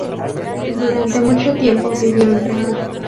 Durante mucho tiempo vivió en Praga.